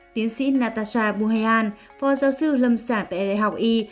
tiến sĩ natasha buheyan phó giáo sư lâm sản tại đại học y